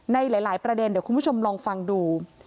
ในหลายประเด็นเดี๋ยวคุณผู้ชมลองฟังดู